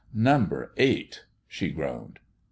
" Number eight," she groaned.